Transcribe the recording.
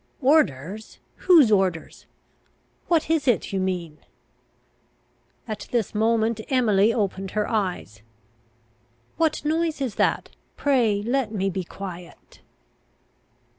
"Orders? Whose orders? What is it you mean?" At this moment Emily opened her eyes. "What noise is that? Pray let me be quiet."